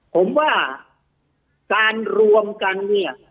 ผมว่าการรวมกันเนี่ย